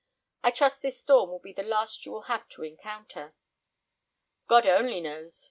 I trust this storm will be the last you will have to encounter." "God only knows!"